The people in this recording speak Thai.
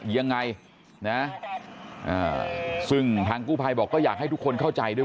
ยังไงนะซึ่งทางกู้ภัยบอกก็อยากให้ทุกคนเข้าใจด้วย